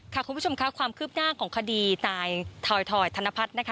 คุณผู้ชมค่ะความคืบหน้าของคดีนายถอยธนพัฒน์นะคะ